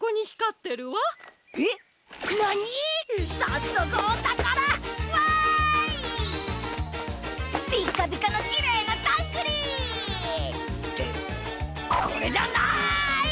ってこれじゃない！